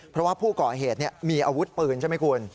เพราะว่าผู้เกาะเหตุเนี่ยมีอาวุธปืนใช่มั้ยคุณ